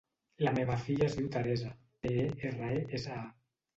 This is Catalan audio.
La meva filla es diu Teresa: te, e, erra, e, essa, a.